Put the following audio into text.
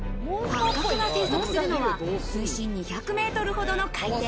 ハッカクが生息するのは水深２００メートルほどの海底。